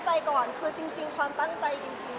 เดี๋ยวดูหนูลงลายอะแต่ว่าหนูภาพ